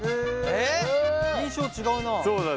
印象違うな。